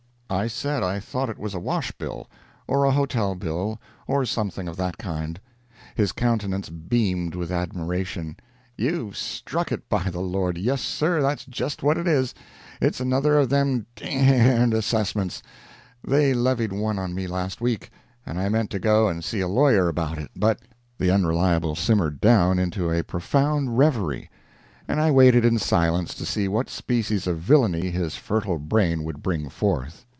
I said I thought it was a wash bill, or a hotel bill, or some thing of that kind. His countenance beamed with admiration: "You've struck it, by the Lord; yes, sir, that's just what it is—it's another of them d—d assessments; they levied one on me last week, and I meant to go and see a lawyer about it, but"—The Unreliable simmered down into a profound reverie, and I waited in silence to see what species of villainy his fertile brain would bring forth.